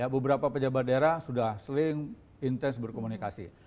beberapa pejabat daerah sudah sering intens berkomunikasi